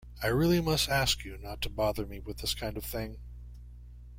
I really must ask you not to bother me with this kind of thing.